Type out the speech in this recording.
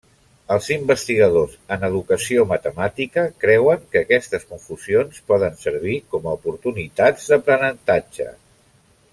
Els investigadors en educació matemàtica creuen que aquestes confusions poden servir com a oportunitats d'aprenentatge.